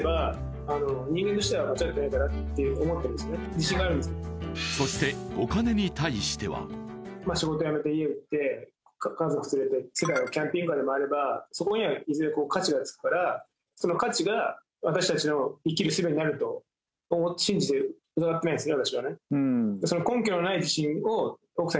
自信があるんですそしてお金に対しては家族連れて世界をキャンピングカーでまわればそこにはいずれ価値がつくからその価値が私たちの生きるすべになると信じて疑ってないんですね